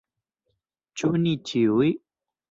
Ĉu ni ĉiuj?